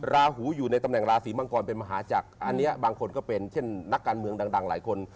ราหูอยู่ในตำแหน่งราศีมังกรเป็นมหาจักรอันนี้บางคนก็เป็นเช่นนักการเมืองดังหลายคน